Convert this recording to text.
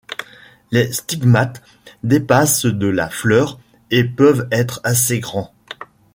Les stigmates dépassent de la fleur, et peuvent être assez grands.